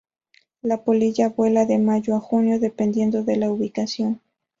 La polilla vuela de mayo a junio, dependiendo de la ubicación.